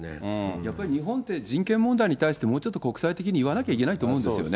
やっぱり日本って人権問題に対して、もうちょっと国際的に言わなきゃいけないと思うんですよね。